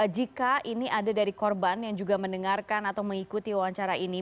jika ini ada dari korban yang juga mendengarkan atau mengikuti wawancara ini